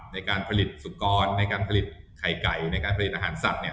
ในการผลิตสุกรในการผลิตไข่ไก่ในการผลิตอาหารสัตว์